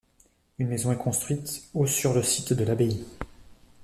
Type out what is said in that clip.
Une maison est construite au sur le site de l'abbaye.